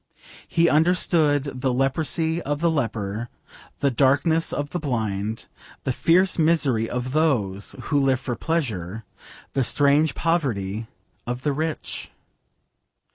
He understood the leprosy of the leper, the darkness of the blind, the fierce misery of those who live for pleasure, the strange poverty of the rich.